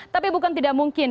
tapi bukan tidak mungkin